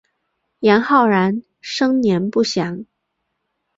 杨浩然生年不详。